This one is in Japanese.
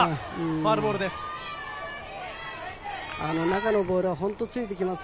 ファウルボールです。